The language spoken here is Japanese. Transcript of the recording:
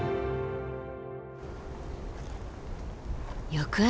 翌朝。